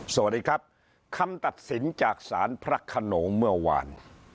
สวัสดีครับคำตัดสินจากศาลพระขนงเมื่อวาน